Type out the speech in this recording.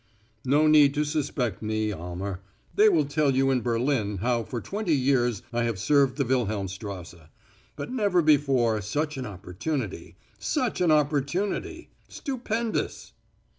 "No need to suspect me Almer. They will tell you in Berlin how for twenty years I have served the Wilhelmstrasse. But never before such an opportunity such an opportunity. Stupendous!"